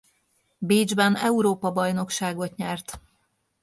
Bécsben Európa-bajnokságot nyert.